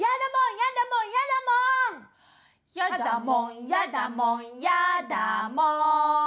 やだもんやだもんやだもん。